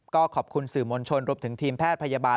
ก็ขอบคุณสื่อมวลชนรวมถึงทีมแพทย์พยาบาล